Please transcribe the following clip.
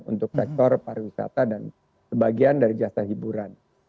untuk sektor pariwisata dan sebagian dari jasa hiburan